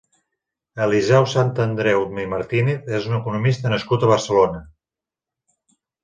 Eliseu Santandreu i Martínez és un economista nascut a Barcelona.